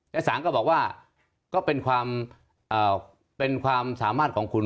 และสารก็บอกว่าก็เป็นความสามารถของคุณ